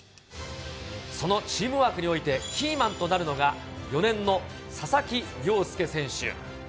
そのチームワークにおいてキーマンとなるのが４年の佐々木亮輔選手。